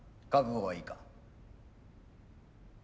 覚悟はいいか？